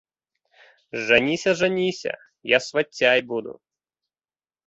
Жаніся, жаніся, я сваццяй буду.